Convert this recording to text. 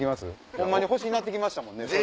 ホンマに欲しなって来ましたもん。